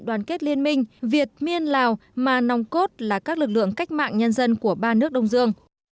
đoàn kết liên minh việt miên lào mà nòng cốt là các lực lượng cách mạng nhân dân của ba nước đông dương